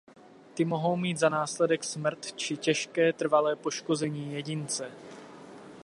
Ty mohou mít za následek smrt či těžké trvalé poškození jedince.